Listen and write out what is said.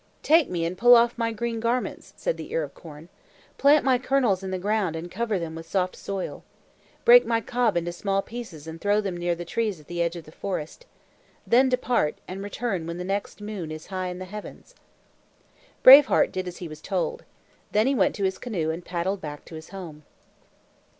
"Take me and pull off my green garments," said the ear of corn. "Plant my kernels in the ground and cover them with soft soil. Break my cob into small pieces and throw them near the trees at the edge of the forest. Then depart, and return when the next moon is high in the heavens." Brave Heart did as he was told. Then he went to his canoe and paddled back to his home.